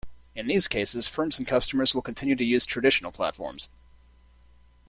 In these cases firms and customers will continue to use traditional platforms.